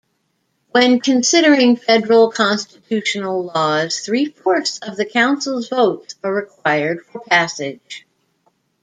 When considering federal constitutional laws, three-fourths of the Council's votes are required for passage.